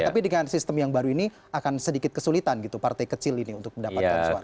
tapi dengan sistem yang baru ini akan sedikit kesulitan gitu partai kecil ini untuk mendapatkan suara